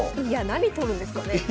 いや何撮るんですかね？